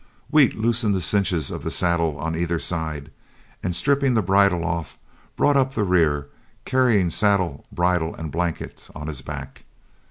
Wheat loosened the cinches of the saddle on either side, and stripping the bridle off, brought up the rear, carrying saddle, bridle, and blankets on his back.